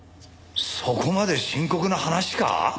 そこまで深刻な話か？